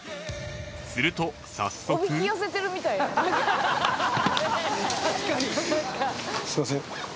［すると早速］すいません。